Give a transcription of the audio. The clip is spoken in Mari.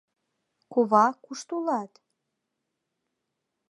Кува, кушто улат?